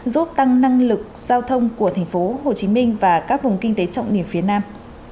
giúp tăng năng lực giao thông của tphcm và các vùng kinh tế trọng niệm phía nam